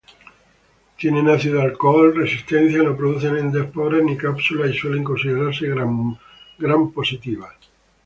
Tienen ácido-alcohol resistencia, no producen endosporas ni cápsulas y suelen considerarse grampositivas.